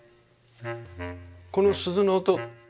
この鈴の音